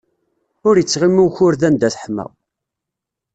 Ur ittɣimi ukured anda teḥma.